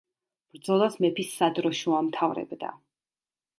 ბრძოლას მეფის სადროშო ამთავრებდა.